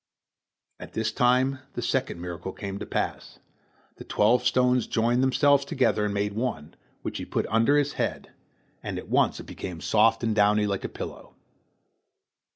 At this time the second miracle came to pass, the twelve stones joined themselves together and made one, which he put under his head, and at once it became soft and downy like a pillow.